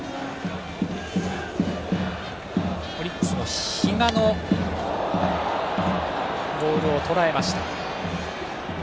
オリックス、比嘉のボールをとらえました。